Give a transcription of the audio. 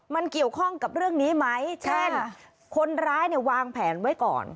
มันเกี่ยวข้องกับเรื่องนี้ไหมเช่นคนร้ายเนี่ยวางแผนไว้ก่อน